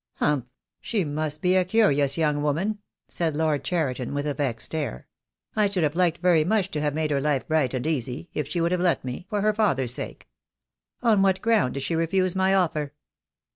"Humph! She must be a curious young woman," said Lord Cheriton, with a vexed air. "I should have liked very much to have made her life bright and easy, if she would have let me — for her father's sake. On what ground did she refuse my offer?"